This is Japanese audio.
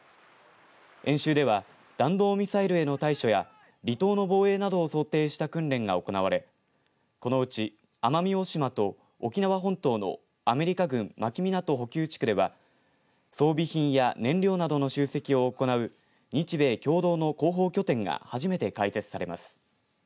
演習では弾道ミサイルへの対処や離島の防衛などを想定した訓練が行われこのうち、奄美大島と沖縄本島のアメリカ軍牧港補給地区では装備品や燃料などの集積を行う日米共同の後方拠点が初めて開設されます。